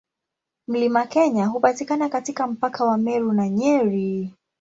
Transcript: Mlima Kenya hupatikana katika mpaka wa Meru na Nyeri.